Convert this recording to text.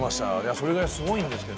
それぐらいすごいんですけど。